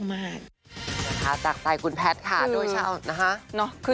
จากใจคุณแพทย์ค่ะโดยเช่านะฮะ